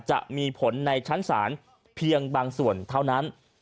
จะมีผลในชั้นศาลเพียงบางส่วนเท่านั้น